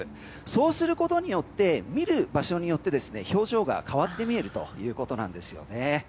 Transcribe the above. そうすることによって見る場所によって表情が変わって見えるということなんですね。